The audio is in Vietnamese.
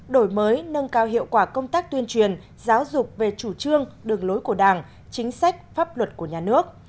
đổi mới nâng cao hiệu quả công tác tuyên truyền giáo dục về chủ trương đường lối của đảng chính sách pháp luật của nhà nước